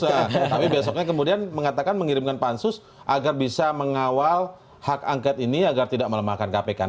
tapi besoknya kemudian mengatakan mengirimkan pansus agar bisa mengawal hak angket ini agar tidak melemahkan kpk